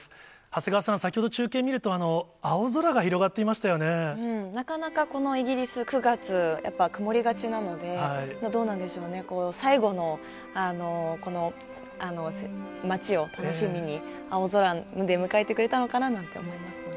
長谷川さん、先ほど中継を見ると、なかなかこのイギリス、９月、やっぱり曇りがちなので、どうなんでしょうね、最後の、この町を楽しみに、青空で迎えてくれたのかななんて思いますね。